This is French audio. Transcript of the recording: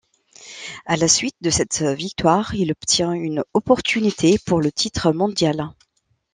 À la suite de cette victoire, il obtient une opportunité pour le titre mondial.